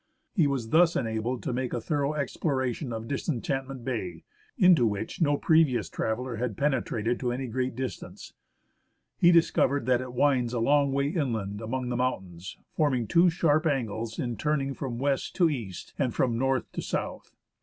He was thus enabled to make a thorough exploration of Disenchant ment Bay, into which no previous traveller had penetrated to any great distance. He discovered that it winds a long way inland among the mountains, forming two sharp angles in turning from west to east, and from north to south.